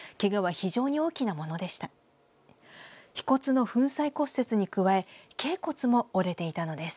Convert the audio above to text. ひ骨の粉砕骨折に加えけい骨も折れていたのです。